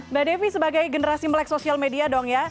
mbak devi sebagai generasi melek sosial media dong ya